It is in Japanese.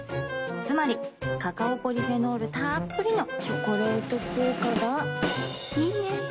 つまりカカオポリフェノールたっぷりの「チョコレート効果」がいいね。